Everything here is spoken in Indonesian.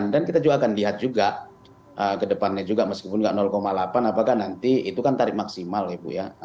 dan kita juga akan lihat juga kedepannya juga meskipun nggak delapan apakah nanti itu kan tarif maksimal ya bu ya